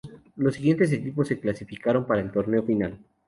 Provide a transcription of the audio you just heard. Los siguientes equipos se clasificaron para el torneo final.